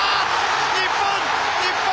日本日本